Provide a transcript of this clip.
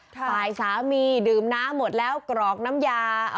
ฝ่ายสามีดื่มน้ำหมดแล้วกรอกน้ำยา